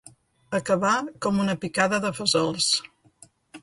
Acabar com una picada de fesols.